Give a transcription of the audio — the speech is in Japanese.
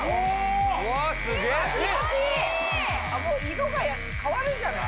色が変わるんじゃない？